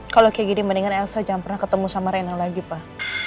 kalau kayak gini mendingan elsa jangan pernah ketemu sama rena lagi pak